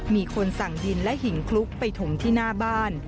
มีคนที่ถึงคลุกไปถมที่หน้าบ้าน